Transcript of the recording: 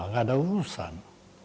tidak ada urusan